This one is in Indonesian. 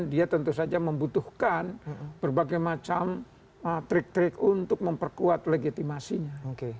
dia tentu saja membutuhkan berbagai macam trik trik untuk memperkuat legitimasinya